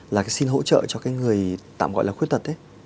là xin hỗ trợ cho cái người tạm gọi là khuyết tật